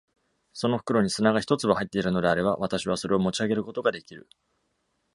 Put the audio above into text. その袋に砂が一粒入っているのであれば、私はそれを持ち上げることができる。